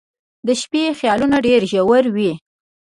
• د شپې خیالونه ډېر ژور وي.